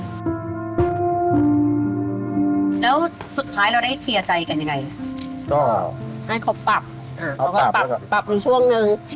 แล้วสุดท้ายเราได้เสียใจกันอย่างไร